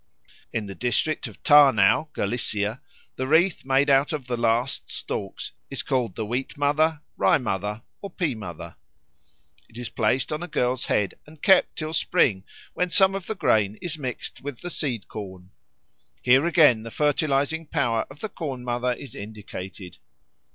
In the district of Tarnow, Galicia, the wreath made out of the last stalks is called the Wheat mother, Rye mother, or Pea mother. It is placed on a girl's head and kept till spring, when some of the grain is mixed with the seed corn. Here again the fertilising power of the Corn mother is indicated.